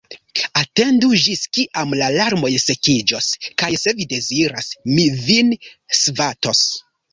Atendu, ĝis kiam la larmoj sekiĝos, kaj, se vi deziras, mi vin svatos.